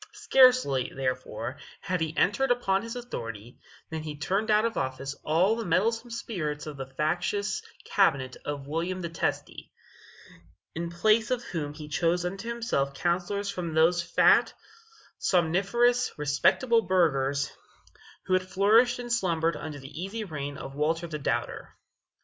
Scarcely, therefore, had he entered upon his authority, than he turned out of office all the meddlesome spirits of the factious cabinet of William the Testy; in place of whom he chose unto himself counselors from those fat, somniferous, respectable burghers who had flourished and slumbered under the easy reign of Walter the Doubter.